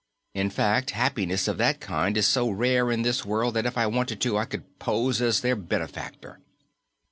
In fact, happiness of that kind is so rare in this world that if I wanted to, I could pose as their benefactor."